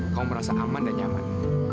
kau merasa aman dan nyaman